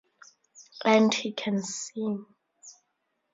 And he can sing.